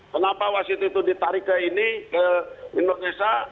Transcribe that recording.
kenapa wasit itu ditarik ke ini ke indonesia